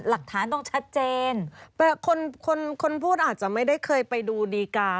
หลักฐานต้องชัดเจนแต่คนคนพูดอาจจะไม่ได้เคยไปดูดีการ์